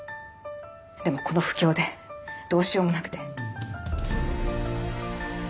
でもこの不況でどうしようもなくて。